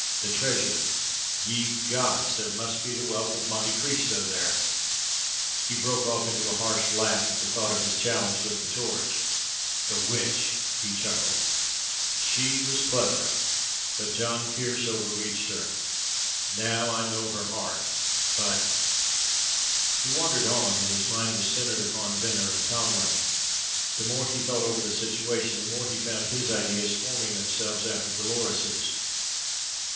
"The treasure! Ye gods! There must be the wealth of Monte Cristo there!" He broke off into a harsh laugh at thought of his challenge with the torch. "The witch!" he chuckled. "She was clever, but John Pearse overreached her. Now I know her heart. But " He wandered on, and his mind was centered upon Venner and Tomlin. The more he thought over the situation, the more he found his ideas forming themselves after Dolores's.